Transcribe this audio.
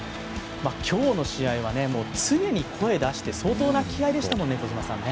今日の試合は常に声出して相当な気合いでしたもんね。